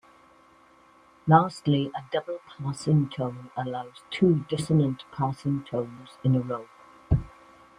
Lastly a double passing tone allows two dissonant passing tones in a row.